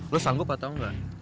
lu sanggup atau enggak